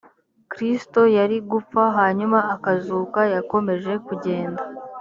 kristo yari gupfa hanyuma akazuka yakomeje kugenda